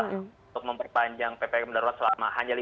untuk memperpanjang ppkm darurat selama hanya lima hari